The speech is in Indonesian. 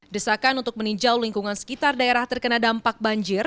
desakan untuk meninjau lingkungan sekitar daerah terkena dampak banjir